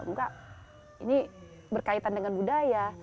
enggak ini berkaitan dengan budaya